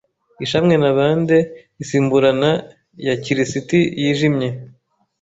lshamwe na bande isimburana ya kirisiti yijimye